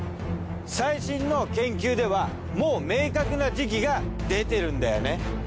最新の研究ではもう明確な時期が出てるんだよね。